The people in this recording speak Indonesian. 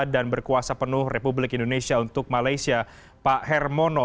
dan berkuasa penuh republik indonesia untuk malaysia pak hermono